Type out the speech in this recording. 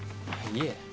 いえ。